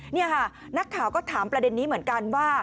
นี่ค่ะนักข่าวก็ถามประเด็นนี้เหมือนกันว่า